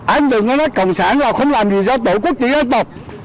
anh đừng có nói cộng sản là không làm gì cho tổ quốc cho dân tộc